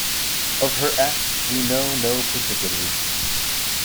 Of her acts we know no particulars.